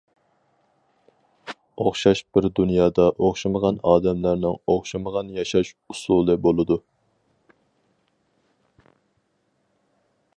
ئوخشاش بىر دۇنيادا ئوخشىمىغان ئادەملەرنىڭ ئوخشىمىغان ياشاش ئۇسۇلى بولىدۇ.